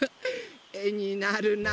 えになるな。